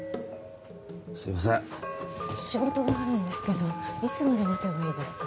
すいません仕事があるんですけどいつまで待てばいいですか？